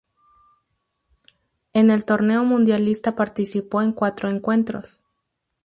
En el torneo mundialista participó en cuatro encuentros.